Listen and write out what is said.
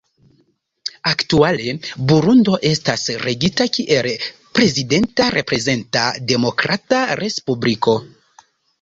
Aktuale, Burundo estas regita kiel prezidenta reprezenta demokrata respubliko.